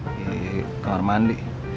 di kamar mandi